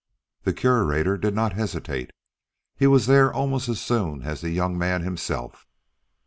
The Curator did not hesitate. He was there almost as soon as the young man himself.